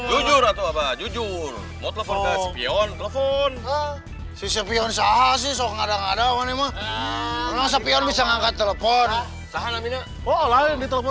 jujur atau apa jujur mau telepon telepon